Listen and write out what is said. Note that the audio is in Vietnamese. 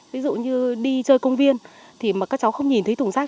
ví dụ như đi chơi công viên thì mà các cháu không nhìn thấy thùng rác